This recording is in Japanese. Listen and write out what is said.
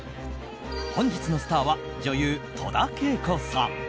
本日のスターは女優・戸田恵子さん。